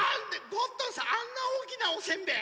ゴットンさんあんなおおきなおせんべい？